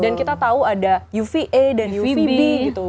dan kita tahu ada uva dan uvb gitu